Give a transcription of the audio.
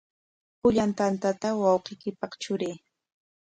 Pullan tantata wawqiykipaq truray.